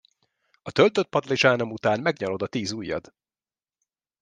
A töltött padlizsánom után megnyalod a tíz ujjad!